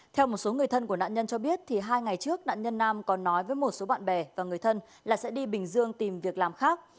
theo một số người thân của nạn nhân cho biết hai ngày trước nạn nhân nam còn nói với một số bạn bè và người thân là sẽ đi bình dương tìm việc làm khác